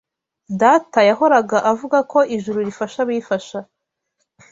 Data yahoraga avuga ko ijuru rifasha abifasha.